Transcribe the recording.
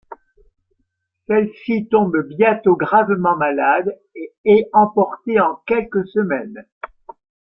Celle-ci tombe bientôt gravement malade et est emportée en quelques semaines.